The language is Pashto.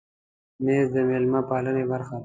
مېز د مېلمه پالنې برخه ده.